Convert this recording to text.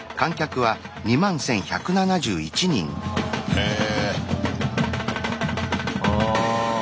へえ。